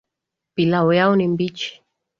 Pilau yao ni mbichi